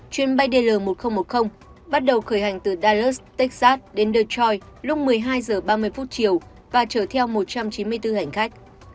chuyến bay dl một nghìn một mươi bắt đầu khởi hành từ daus texas đến dechoi lúc một mươi hai h ba mươi chiều và chở theo một trăm chín mươi bốn hành khách